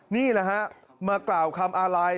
นี่ล่ะครับมากล่าวคำอะไร